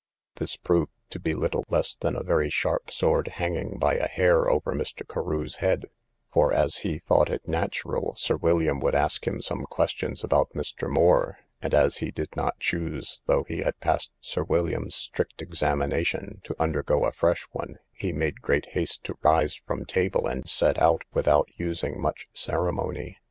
This proved to be little less than a very sharp sword hanging by a hair over Mr. Carew's head, for, as he thought it natural Sir William would ask him some questions about Mr. Moore, and as he did not choose, though he had passed Sir William's strict examination, to undergo a fresh one, he made great haste to rise from table, and set out without using much ceremony.